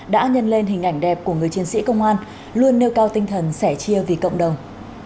đã nhân lên hình ảnh đẹp của người chiến sĩ công an luôn nêu cao tinh thần sẻ chia vì cộng đồng